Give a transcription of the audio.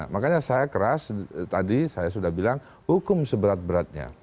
makanya saya keras tadi saya sudah bilang hukum seberat beratnya